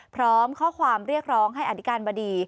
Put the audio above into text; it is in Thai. พร้อมข้อความเรียกร้องให้อธิการบดี